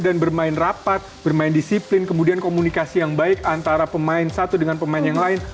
dan bermain rapat bermain disiplin kemudian komunikasi yang baik antara pemain satu dengan pemain yang lain